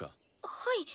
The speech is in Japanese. はい。